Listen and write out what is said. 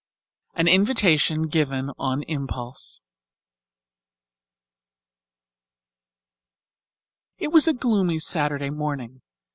An Invitation Given on Impulse It was a gloomy Saturday morning.